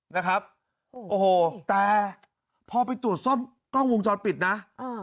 นะครับโอ้โหแต่พอไปตรวจซ่อมกล้องวงจรปิดนะเออ